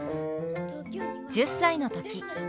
１０歳の時。